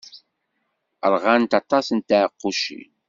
Ṛɣant aṭas n tɛeqqucin.